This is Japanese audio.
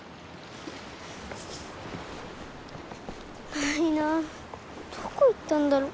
ないなあどこいったんだろう。